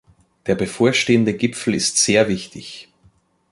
Der bevorstehende Gipfel ist sehr wichtig.